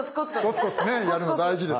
コツコツねやるの大事ですね。